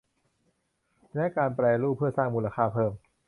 และการแปรรูปเพื่อสร้างมูลค่าเพิ่ม